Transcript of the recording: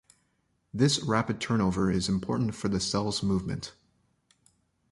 This rapid turnover is important for the cell's movement.